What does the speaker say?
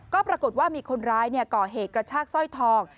ก็ปรากฏว่ามีคนร้ายก่อเหตุกระชากสร้อยทอง